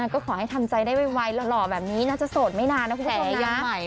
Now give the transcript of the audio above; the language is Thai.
ก็ขอให้ทำใจได้ไวหล่อแบบนี้น่าจะโสดไม่นานนะคุณผู้ชม